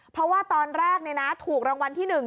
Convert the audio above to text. เพราะว่าตอนแรกถูกรางวัลที่๑